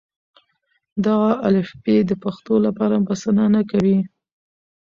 دغه الفبې د پښتو لپاره بسنه نه کوي.